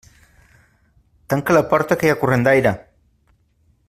Tanca la porta que hi ha corrent d'aire.